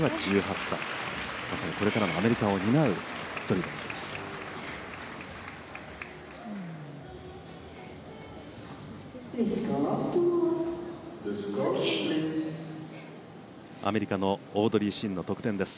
まさにこれからのアメリカを担う１人になります。